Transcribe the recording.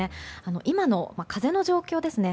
今の風の状況ですね。